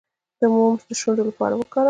د موم د شونډو لپاره وکاروئ